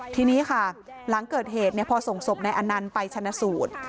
ทีนี้ค่ะหลังเกิดเหตุพอส่งศพนายอนันต์ไปชนะสูตร